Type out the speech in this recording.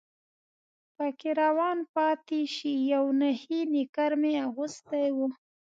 پکې روان پاتې شي، یو نخی نیکر مې هم اغوستی و.